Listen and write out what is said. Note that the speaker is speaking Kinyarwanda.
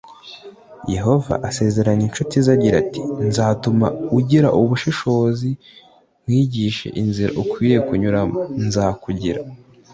yehova asezeranya incuti ze ati nzatuma ugira ubushishozi nkwigishe inzira ukwiriye kunyuramo nzakugira